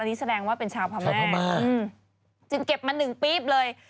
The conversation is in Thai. นี่แสดงว่าเป็นชาวพม่าจึงเก็บมา๑ปี๊บเลย